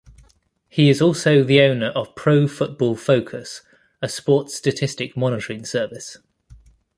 He is also the owner of Pro Football Focus, a sports statistic monitoring service.